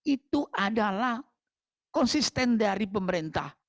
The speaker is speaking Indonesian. itu adalah konsisten dari pemerintah